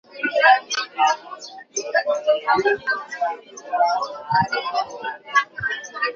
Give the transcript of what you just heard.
তিনি ভাষা আন্দোলনেও সরাসরি অংশগ্রহণ করেন।